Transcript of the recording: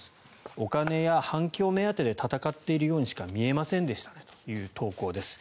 お金や反響目当てで闘っているようにしか見えませんでしたねという投稿です。